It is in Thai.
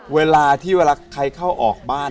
เวลาที่เวลาใครเข้าออกบ้าน